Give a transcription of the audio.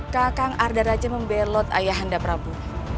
kakang arda raja membelot ayahanda prabu